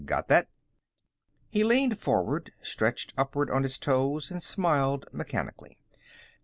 Got that?" He leaned forward, stretched upward on his toes, and smiled mechanically.